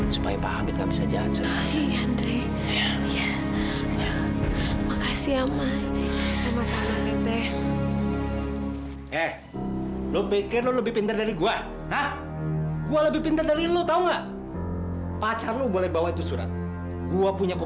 sampai jumpa di video selanjutnya